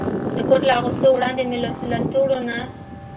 د کوټ له اغوستو وړاندې مې له لستوڼو نه.